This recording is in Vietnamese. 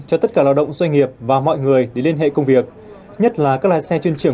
cho tất cả lao động doanh nghiệp và mọi người để liên hệ công việc nhất là các lái xe chuyên trường